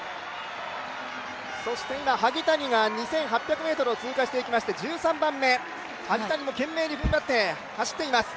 そして、萩谷が２８００ｍを通過していきまして１３番目、萩谷も懸命にふんばって走っています。